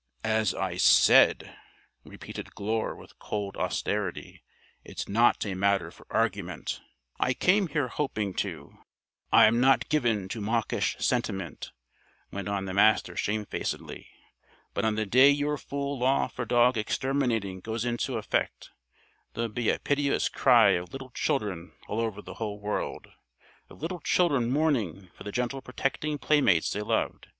"As I said," repeated Glure with cold austerity, "it's not a matter for argument. I came here hoping to " "I'm not given to mawkish sentiment," went on the Master shamefacedly, "but on the day your fool law for dog exterminating goes into effect there'll be a piteous crying of little children all over the whole world of little children mourning for the gentle protecting playmates they loved.